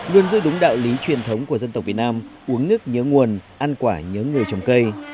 luôn giữ đúng đạo lý truyền thống của dân tộc việt nam uống nước nhớ nguồn ăn quả nhớ người trồng cây